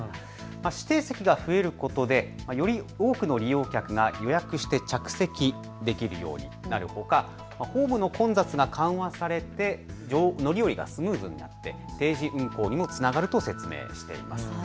指定席が増えることでより多くの利用客が予約して着席できるようになるほかホームの混雑が緩和されて乗り降りがスムーズになって定時運行にもつながると説明しています。